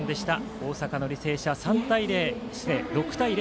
大阪の履正社、６対０。